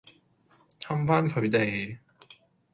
氹返佢哋